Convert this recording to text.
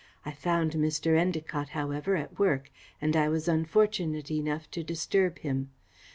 I found Mr. Endacott, however, at work, and I was unfortunate enough to disturb him.